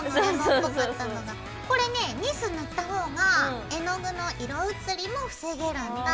これねニス塗った方が絵の具の色移りも防げるんだ。